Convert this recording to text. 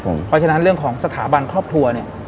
เพราะฉะนั้นเรื่องของสถาบันครอบครัวเนี่ย